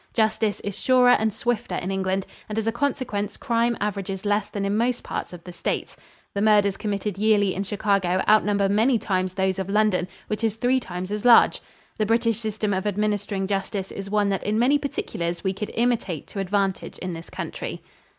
Justice is surer and swifter in England, and as a consequence crime averages less than in most parts of the States. The murders committed yearly in Chicago outnumber many times those of London, which is three times as large. The British system of administering justice is one that in many particulars we could imitate to advantage in this country.